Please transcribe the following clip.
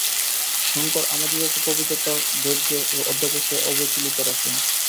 শঙ্কর আমাদিগকে পবিত্রতা, ধৈর্য ও অধ্যবসায়ে অবিচলিত রাখুন।